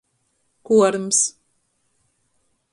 Kuorms.